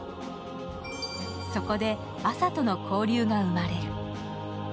そこで、亜紗との交流が生まれる。